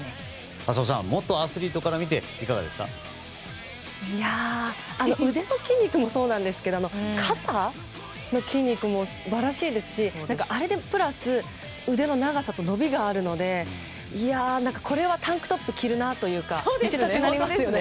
浅尾さん元アスリートから見て腕の筋肉もそうなんですが肩の筋肉も素晴らしいですしプラス腕の長さと伸びがあるのでこれはタンクトップ着るなと。